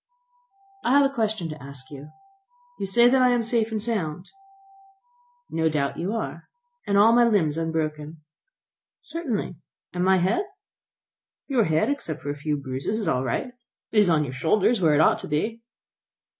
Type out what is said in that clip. "I have a question to ask you. You say that I am safe and sound?" "No doubt you are." "And all my limbs unbroken?" "Certainly." "And my head?" "Your head, except for a few bruises, is all right; and it is on your shoulders, where it ought to be."